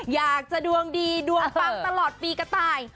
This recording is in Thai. อยากจะดวงดีดวงปังตลอดปีกระต่าย